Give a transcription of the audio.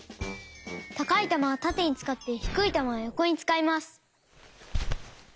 たかいたまはたてにつかってひくいたまはよこにつかいます。